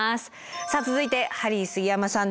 さあ続いてハリー杉山さんです。